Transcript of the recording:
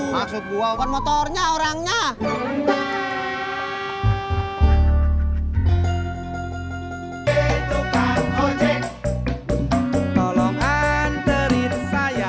maksud gua bukan motornya orangnya